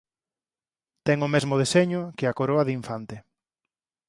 Ten o mesmo deseño que a coroa de infante.